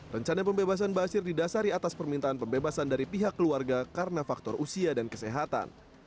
rencana pembebasan ⁇ asyir ⁇ didasari atas permintaan pembebasan dari pihak keluarga karena faktor usia dan kesehatan